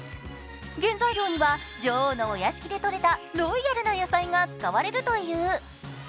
原材料には女王のお屋敷でとれたロイヤルな野菜が使われるという。